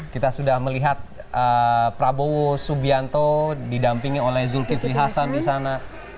kita sudah melihat prabowo subianto didampingi oleh zulkifli hasan di sana